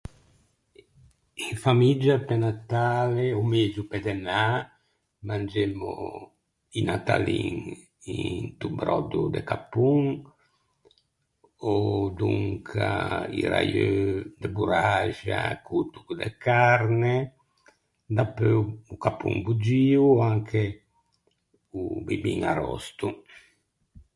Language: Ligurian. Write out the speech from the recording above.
In famiggia pe Natale, ò megio pe Dënâ, mangemmo i natalin into bròddo de cappon, ò donca i raieu de borraxa co-o tocco de carne, dapeu o cappon boggio, anche o bibin à ròsto.